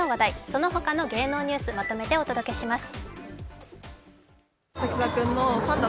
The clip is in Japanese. そのほかの芸能ニュース、まとめてお届けします。